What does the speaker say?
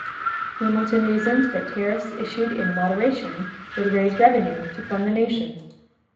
Hamilton reasoned that tariffs issued in moderation would raise revenue to fund the nation.